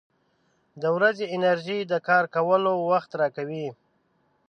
• د ورځې انرژي د کار کولو وخت راکوي.